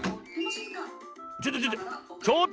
ちょっとちょっと。